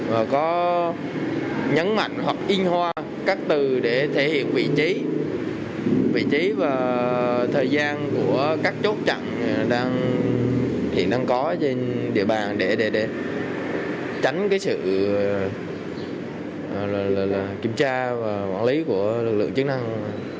và có nhấn mạnh hoặc in hoa các từ để thể hiện vị trí và thời gian của các chốt chặn hiện đang có trên địa bàn để tránh sự kiểm tra và quản lý của lực lượng chức năng